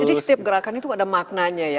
jadi setiap gerakan itu ada maknanya ya